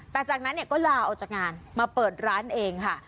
แต่จากนั้นก็ลาออกจากงานมาเปิดร้านเองค่ะ